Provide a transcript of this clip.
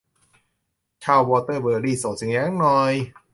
ชาววอเตอร์เบอรี่ ส่งเสียงหน่อย